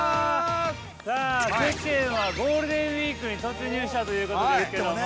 ◆さあ、世間はゴールデンウイークに突入したということですけども。